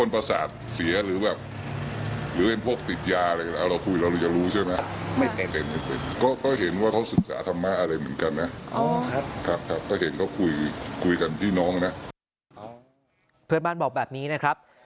เพื่อนบ้านบอกแบบนี้นะครับ